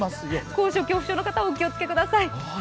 高所恐怖症の方はお気をつけください。